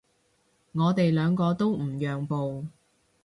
我哋兩個都唔讓步